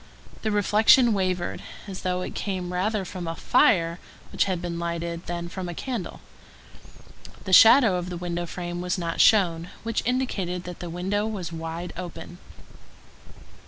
The reflection wavered, as though it came rather from a fire which had been lighted than from a candle. The shadow of the window frame was not shown, which indicated that the window was wide open.